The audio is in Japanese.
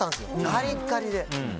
カリッカリで。